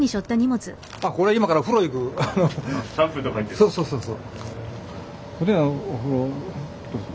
そうそうそうそう。